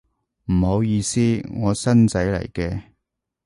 唔好意思，我新仔嚟嘅